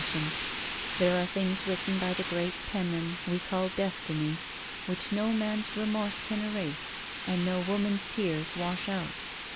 But there are things written by the great penman we call destiny, which no man's remorse can erase and no woman's tears wash out.